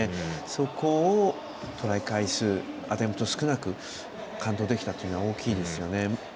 そこをトライ回数アテンプト少なく完登できたというのは大きいですよね。